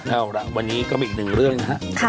เอาละวันนี้ก็มีอีกหนึ่งเรื่องนะครับ